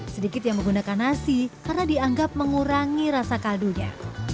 sedikit yang menggunakan nasi karena dianggap mengurangi rasa kaldunya